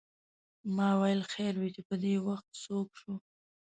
ما ویل خیر وې چې پدې وخت څوک شو.